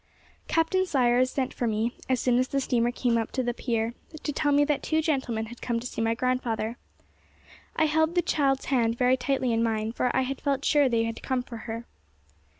Captain Sayers sent for me, as soon as the steamer came up to the pier, to tell me that two gentlemen had come to see my grandfather. I held the child's hand very tightly in mine, for I had felt sure they had come for her.